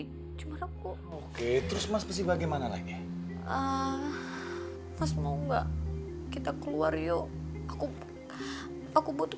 hai cuma aku oke terus masih bagaimana lagi ah mas mau enggak kita keluar yo aku aku butuh